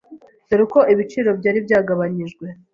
dore ko ibiciro byari byagabanyijwe